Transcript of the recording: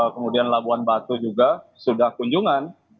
kemudian labuan batu juga sudah kunjungan